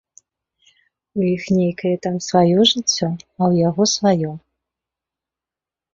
У іх нейкае там сваё жыццё, а ў яго сваё.